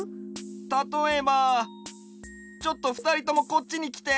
たとえばちょっとふたりともこっちにきて！